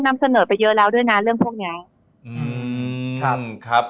นำเสนอไปเยอะแล้วด้วยนะเรื่องพวกนี้